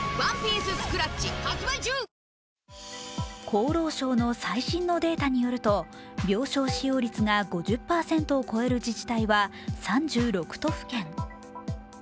厚労省の最新のデータによると、病床使用率が５０％を超える自治体は３６都府県。